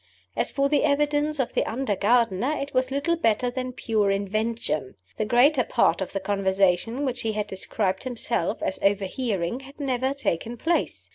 As for the evidence of the under gardener, it was little better than pure invention. The greater part of the conversation which he had described himself as overhearing had never taken place.